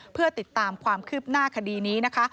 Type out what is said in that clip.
เพื่อติดตามความคืบหน้าคดีนี้นะคะ